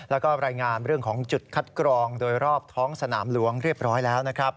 แล้วก็รายงานเรื่องของจุดคัดกรองโดยรอบท้องสนามหลวงเรียบร้อยแล้วนะครับ